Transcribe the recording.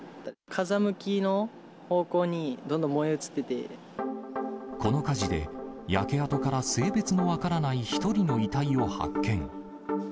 風向きの方向に、この火事で、焼け跡から性別の分からない１人の遺体を発見。